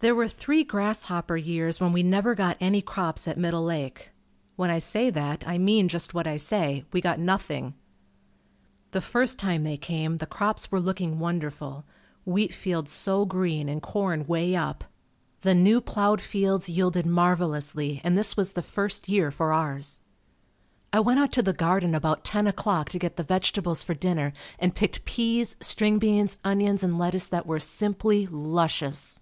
There were three grasshopper years when we never got any crops at Middle Lake. When I say that, I mean just what I say; we got nothing. The first time they came the crops were looking wonderful. Wheat fields so green and corn way up. The new ploughed fields yielded marvelously and this was the first year for ours. I went out to the garden about ten o'clock to get the vegetables for dinner and picked peas, string beans, onions and lettuce that were simply luscious.